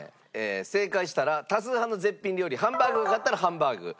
正解したら多数派の絶品料理ハンバーグが勝ったらハンバーグ。